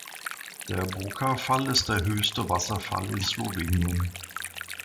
Der Boka-Fall ist der höchste Wasserfall in Slowenien.